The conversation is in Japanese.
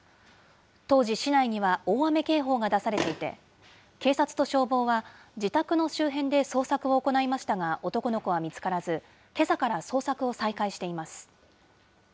当時、市内には大雨警報が出されていて、警察と消防は、自宅の周辺で捜索を行いましたが、男の子は見つからず、けさから捜索を再開しています。